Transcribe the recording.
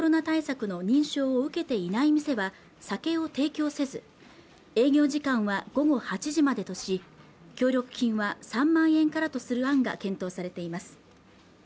対策の認証を受けていない店は酒を提供せず営業時間は午後８時までとし協力金は３万円からとする案が検討されています